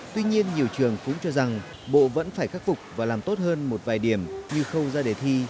tuy nhiên nhiều trường cũng cho rằng bộ vẫn phải khắc phục và làm tốt hơn một vài điểm như khâu ra đề thi